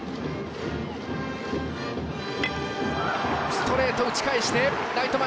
ストレート打ち返した。